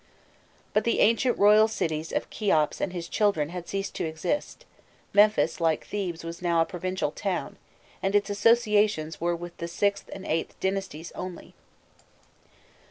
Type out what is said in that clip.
But the ancient royal cities of Kheops and his children had ceased to exist; Memphis, like Thebes, was now a provincial town, and its associations were with the VIth and VIIIth dynasties only.